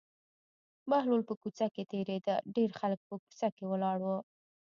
بهلول په کوڅه کې تېرېده ډېر خلک په کوڅه کې ولاړ وو.